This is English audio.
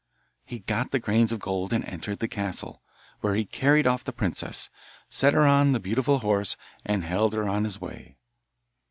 He got the grains of gold and entered the castle, where he carried off the princess, set her on the beautiful horse, and held on his way.